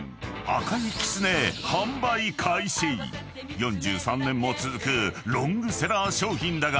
［４３年も続くロングセラー商品だが］